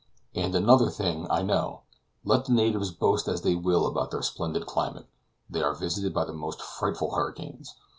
And another thing, I know. Let the natives boast as they will about their splendid climate, they are visited by the most frightful hurricanes.